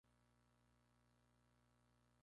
Se encuentra sólo Argentina.